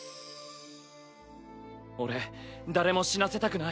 俺誰も死なせたくない。